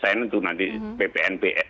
itu nanti ppnpe